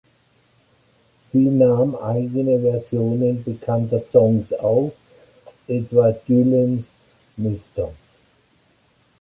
Sie nahm eigene Versionen bekannter Songs auf, etwa Dylans "Mr.